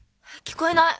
聞こえない。